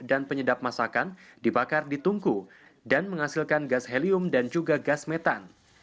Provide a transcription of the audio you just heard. dan penyedap masakan dibakar di tungku dan menghasilkan gas helium dan juga gas metan